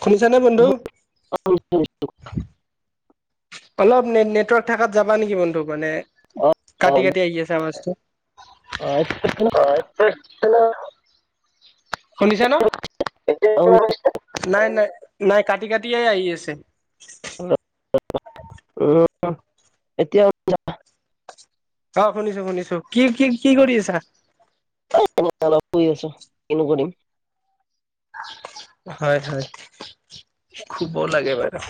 শুনিছানে বন্ধু? অ' [inaudible] অলপ নেট নেটৱৰ্ক থাকাত যাবা নেকি বন্ধু মানে কাটি কাটি আহি আছে আৱাজটো। অ' [inaudible] হয়, হেল্ল' শুনিছা ন'? [inaudible] নাই নাই নাই কাটি কাটিয়ে আহি আছে। উম, এতিয়া অ', শুনিছো শুনিছো কি কি কি কৰি আছা? এ এনেই অলপ শুই আছো কিনো কৰিম। হয়, হয়। শুব লাগে বাৰু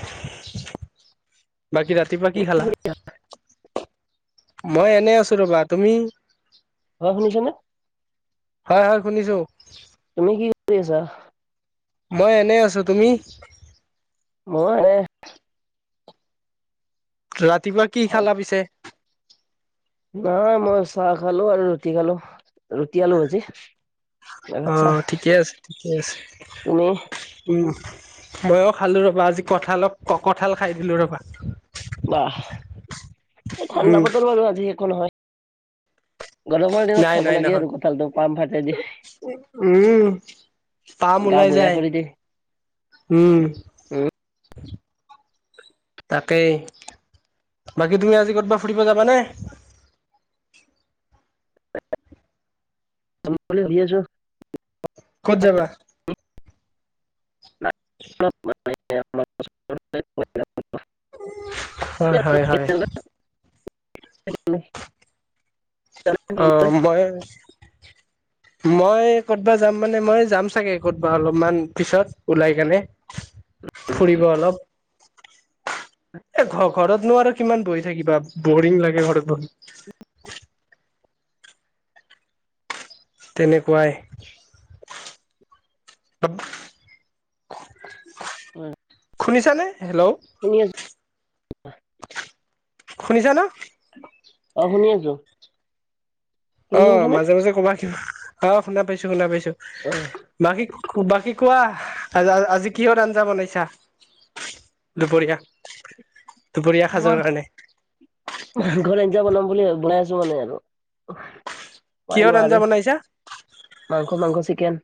বাকী ৰাতিপুৱা কি তুমি খালা কৰি মই এনে আছো ৰবা তুমি? হয়, শুনিছা নে? হয়, হয়, শুনিছো। তুমি কি কৰি আছা? মই এনে আছো তুমি? মইও এনেই ৰাতিপুৱা কি খালা পিছে? নাই মই চাহ খালো আৰু ৰুটি খালো ৰুটি আলো ভাজি। তাৰপিছত চাহ অ', ঠিকে আছে ঠিকে আছে। তুমি উম, মইও খালোঁ ৰবা আজি কঠালক কঁঠাল খাই দিলোঁ ৰবা। বাহ এই উম ঠাণ্ডা বতৰ বাৰু আজি একো নহয়। গৰমৰ দিনত নাই খাব নাই লাগে নহয় আৰু কঁঠালটো পাম ভাটে দি উম পাম গা ওলাই বেয়া যায় কৰি দিয়ে। উম উম তাকেই বাকী তুমি আজি কৰবাত ফুৰিব যাবানে? যাম বুলি ভাবি আছো। ক'ত যাবা? [unintelligible] হয়, হয়, হয়। [unintelligible] অহ মই মই ক'তবা যাম মানে মই যাম চাগে কৰবাত অলপমান পিছত উলাই কেনে ফুৰিব অলপ। এ ঘ ঘৰতনো আৰু কিমান বহি থাকিবা বৰিং লাগে ঘৰত বহি। তেনেকুৱাই। [inaudible] উম শুনিছা নে? হেল্ল'! শুনি আছোঁ। শুনিছা ন? অঁ শুনি আছো। তুমি অ শুনিছানে? মাজে মাজে কবা কি অঁ শুনা পাইছো শুনা পাইছো। [unintelligible] বাকী বাকী কোৱা আ আজি কিহৰ আঞ্জা বনাইছা? দুপৰীয়া দুপৰীয়া সাজৰ মই কাৰণে? ঘৰত আঞ্জা বনাম বুলি বনাই আছো মানে আৰু। মাই কিহৰ আঞ্জা নোৱাৰে, বনাইছা মাংস মাংস চিকেন।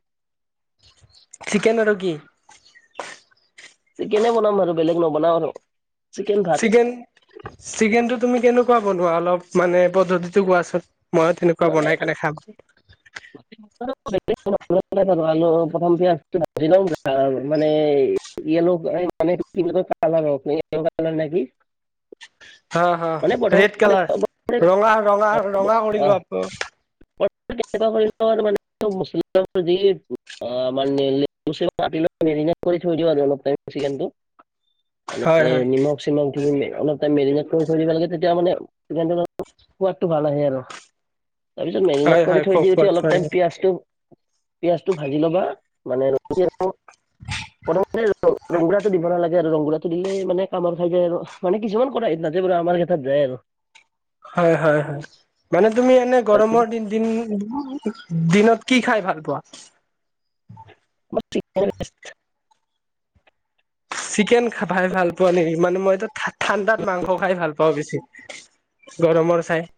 চিকেন আৰু কি? চিকেনে বনাম আৰু বেলেগ নবনাও আৰু। চিকেন চিকেনটো তুমি কেনেকুৱা বনোৱা অলপ মানে পদ্ধতিটো কোৱাচোন? মইয়ো তেনেকুৱা মানে বনাই আলু কিনে খাম। [unintelligible] [unintelligible] প্ৰথম পিয়াজটো ভাঁজি লম মানে এ য়েল্লো মানে কি বুলি লয় [unintelligible] নেকি [inaudible] হা হা ৰেড কালাৰ ৰঙা ৰঙা ৰঙা কৰি লোৱা [unintelligible] ৰাতিলৈ মেৰিনেট কৰি থৈ দিওঁ আৰু অলপ টাইম চিকেনটো হয় মানে হয় নিমখ চিমখ দি মেলি অলপ টাইম মেৰিনেট কৰি থৈ দিব লাগে তেতিয়া মানে চিকেনটো সোৱাদটো ভাল আহে আৰু। তাৰপিছত হয় মেৰিনেট কৰি হয় খ থৈ দি উঠি খোৱাত অলপ পাৰে টাইম পিয়াজ পিয়াজটো ভাজি ল'বা মানে [unintelligible] ৰঙালাওটো দিব নালাগে আৰু ৰঙালাওটো দিলে মানে কামৰ কাৰণে আৰু মানে কিছুমান কৰা তাতে বাৰু আমাৰ ক্ষেত্ৰৰ কাৰনে বেয়াই আৰু। হয় হয় হয় মানে তুমি এনে গৰমৰ দিন দিন দিনত কি খাই ভাল পোৱা? মই চিকেন চিকেন খাই ভাল পোৱা নেকি, মানে মইটো ঠাণ্ডাত মাংস খাই ভাল পাওঁ বেছি। গৰমৰ চাই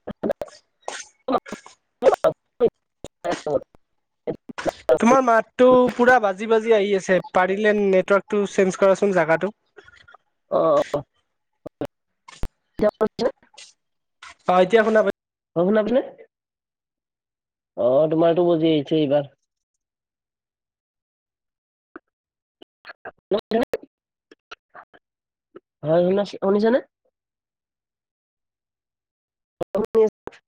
[unintelligible] তোমাৰ মাতটো পুৰা বাজি বাজি আহি আছে পাৰিলে নেটৱৰ্কটো চেঞ্জ কৰাচোন জাগাটো। অঁ। এতিয়া পাইছা নে? অঁ এতিয়া শুনা পাই [unintelligible] অ' তোমাৰটো বজি আহিছে এইবাৰ। [unintelligible] অ শুনিছানে? [unintelligible]